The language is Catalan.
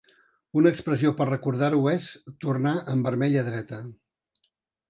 Una expressió per recordar-ho és "tornar amb vermell a dreta".